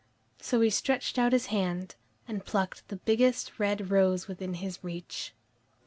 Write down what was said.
So he stretched out his hand and plucked the biggest red rose within his reach.